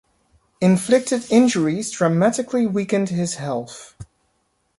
Inflicted injuries dramatically weakened his health.